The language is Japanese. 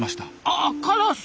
あカラス？